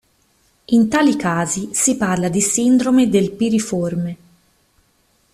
In tali casi, si parla di sindrome del piriforme.